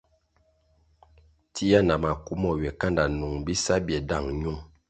Tia na maku mo ywe kanda nung bisa bie dáng ñung.